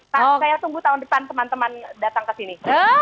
nah saya tunggu tahun depan teman teman datang ke sini